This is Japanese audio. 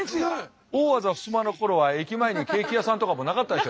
大字衾の頃は駅前にケーキ屋さんとかもなかったでしょうね。